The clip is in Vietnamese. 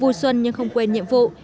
vui xuân nhưng không quên nhiệm vụ